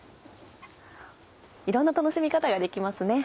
いろんな楽しみ方ができますね。